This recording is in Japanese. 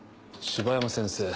柴山先生